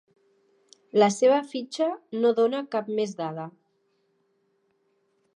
La seva fitxa no dóna cap més dada.